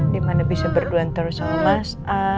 dimana bisa berdua terus sama mas